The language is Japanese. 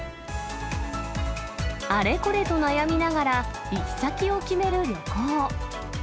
あれこれと悩みながら行き先を決める旅行。